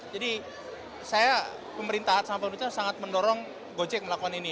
jadi saya pemerintah sangat mendorong gojek melakukan ini